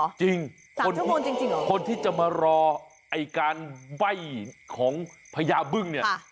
๓ชั่วโมงจริงหรอคนที่จะมารอไอ้การไว้ของพญาบึ้งเนี่ย